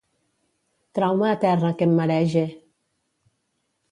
Trau-me a terra que em marege.